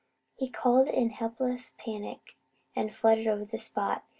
He called in helpless panic and fluttered over the spot.